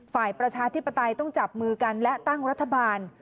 ประชาธิปไตยต้องจับมือกันและตั้งรัฐบาล